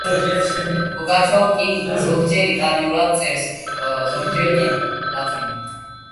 ბოკაჩო კი ზოგჯერ იტალიურად წერს, ზოგჯერ კი ლათინურად.